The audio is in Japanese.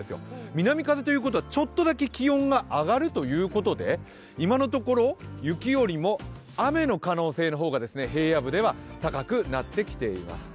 南風ということはちょっとだけ気温が上がるということで今のところ雪よりも雨の可能性の方が平野部では高くなってきています。